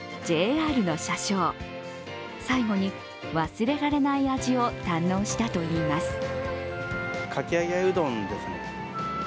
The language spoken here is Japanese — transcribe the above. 最後に忘れられない味を堪能したといいます。